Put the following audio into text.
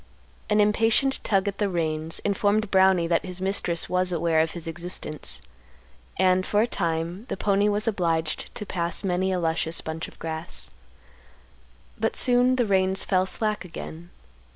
An impatient tug at the reins informed Brownie that his mistress was aware of his existence, and, for a time, the pony was obliged to pass many a luscious bunch of grass. But soon the reins fell slack again.